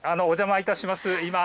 お邪魔いたします。